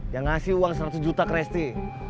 yang ngasih uang seratus juta ke resti